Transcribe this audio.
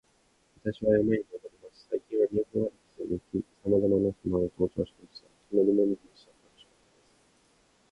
私は山に登ります。最近は日本アルプスに行き、さまざまな山を登頂しました。日の出も見ました。楽しかったです